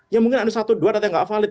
ya mungkin ada satu dua data yang nggak valid